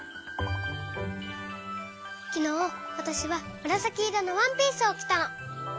きのうわたしはむらさきいろのワンピースをきたの。